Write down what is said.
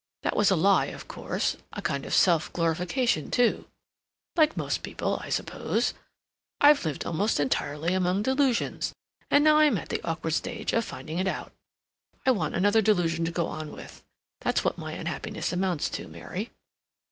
That was a lie, of course—a kind of self glorification, too. Like most people, I suppose, I've lived almost entirely among delusions, and now I'm at the awkward stage of finding it out. I want another delusion to go on with. That's what my unhappiness amounts to, Mary."